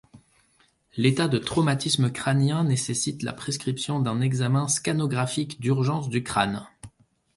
L'état de traumatisme crânien nécessite la prescription d’un examen scanographique d’urgence du crâne.